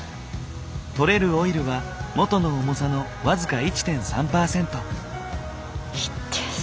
とれるオイルは元の重さの僅か１．３％。